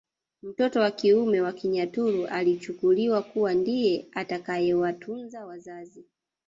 Mtoto wa kiume kwa Wanyaturu alichukuliwa kuwa ndiye atakayewatunza wazazi